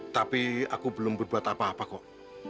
tapi aku belum berbuat apa apa kok